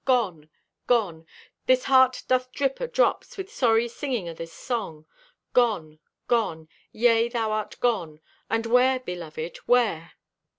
Gone! Gone! This heart doth drip o' drops With sorry singing o' this song. Gone! Gone! Yea, thou art gone! And where, beloved, where?